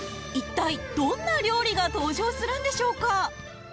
一体どんな料理が登場するんでしょうか？